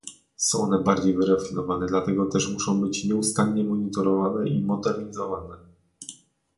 Są one bardziej wyrafinowane, dlatego też muszą być nieustannie monitorowane i modernizowane